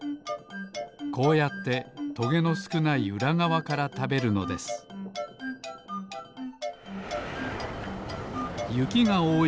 こうやってトゲのすくないうらがわからたべるのですゆきがおおい